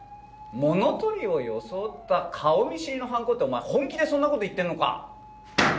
物取りを装った顔見知りの犯行ってお前本気でそんなこと言ってんのか？